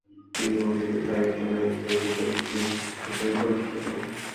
তিনি অতি দ্রুত একজন একগুঁয়ে বিতর্কী হিসেবে পরিচিত হন।